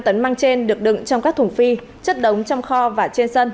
hai năm tấn măng trên được đựng trong các thùng phi chất đống trong kho và chất đống trong khu